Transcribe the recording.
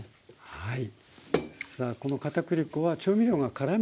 はい。